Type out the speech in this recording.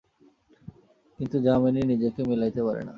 কিন্তু যামিনী নিজেকে মিলাইতে পারে না।